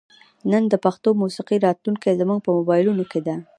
نن د پښتو موسیقۍ راتلونکې زموږ په موبایلونو کې ده.